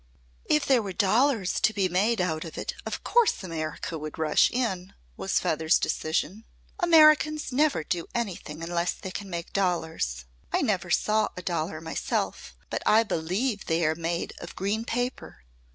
"If there were dollars to be made out of it, of course America would rush in," was Feather's decision. "Americans never do anything unless they can make dollars. I never saw a dollar myself, but I believe they are made of green paper.